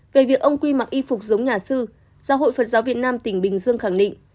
về việc ông quy mặc y phục giống nhà sư giáo hội phật giáo việt nam tỉnh bình dương khẳng định